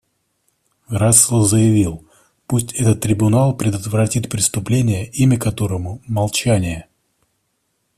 Рассел заявил: «Пусть этот Трибунал предотвратит преступление, имя которому — молчание».